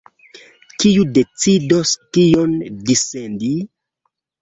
Kiu decidos kion dissendi?